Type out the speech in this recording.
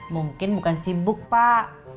mungkin bukan sibuk pak